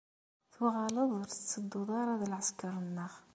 Tuɣaleḍ ur tettedduḍ ara d lɛesker-nneɣ.